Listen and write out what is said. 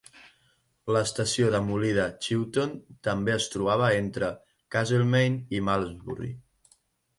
L'estació demolida Chewton també es trobava entre Castlemaine i Malmsbury.